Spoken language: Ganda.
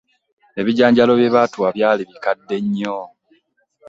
Ebijanjaalo bye batuwa byali bikadde nnyo